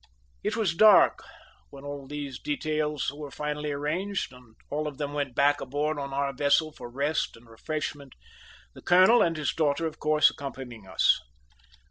It was dark when all these details were finally arranged, and all of them went back aboard on our vessel for rest and refreshment, the colonel and his daughter, of course, accompanying us.